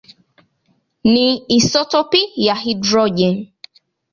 ni isotopi ya hidrojeni.